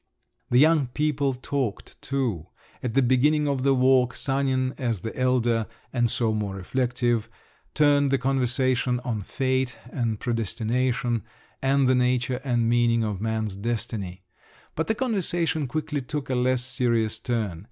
The young people talked, too. At the beginning of the walk, Sanin, as the elder, and so more reflective, turned the conversation on fate and predestination, and the nature and meaning of man's destiny; but the conversation quickly took a less serious turn.